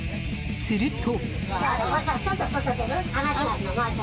すると。